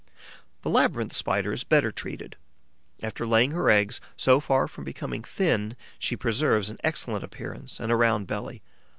The Labyrinth Spider is better treated. After laying her eggs, so far from becoming thin, she preserves an excellent appearance and a round belly.